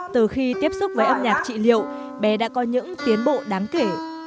từ khi tiếp xúc với âm nhạc trị liệu bé đã có những tiến bộ đáng kể